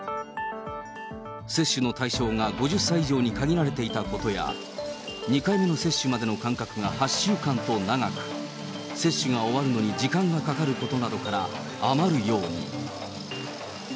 接種の対象が５０歳以上に限られていたことや、２回目の接種までの間隔が８週間と長く、接種が終わるのに時間がかかることなどから余るように。